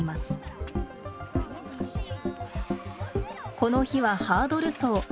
この日はハードル走。